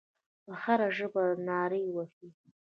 په هره ژبه نارې وهي.